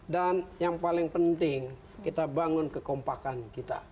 dan yang paling penting kita bangun kekompakan kita